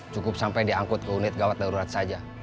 cukup sampai diangkut ke unit gawat darurat saja